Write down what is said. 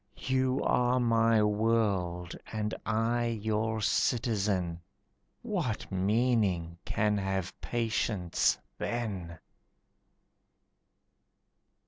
You are my world and I your citizen. What meaning can have patience then?